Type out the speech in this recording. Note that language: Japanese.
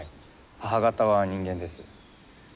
母方は人間です。